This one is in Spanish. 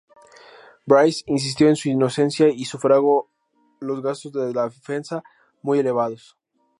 Brice insistió en su inocencia y sufragó los gastos de la defensa, muy elevados.